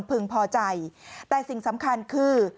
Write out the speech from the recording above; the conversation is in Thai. พอใจแต่สิ่งสำคัญคือ